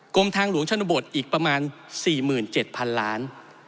กรมทางหลวงชนบทอีกประมาณ๔๗๐๐๐ล้าน